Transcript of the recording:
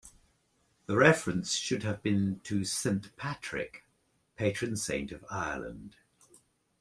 The reference should have been to Saint Patrick, patron saint of Ireland.